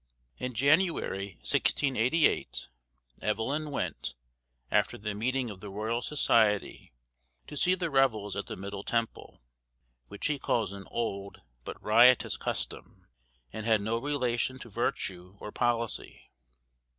In January, 1688, Evelyn went, after the meeting of the Royal Society, to see the revels at the Middle Temple, which he calls an old, but riotous, custom, and had no relation to virtue or policy.